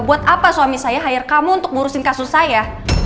buat apa suami saya hire kamu untuk ngurusin kasus saya